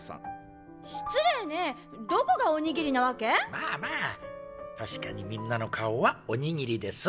まあまあたしかにみんなの顔はおにぎりです。